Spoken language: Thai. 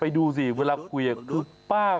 ดูสิเวลาคุยกับคือป้า